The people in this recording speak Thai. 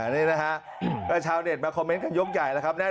เกิดเช้าเน็ตมาคอเมนต์กันยกใหญ่ครับแน่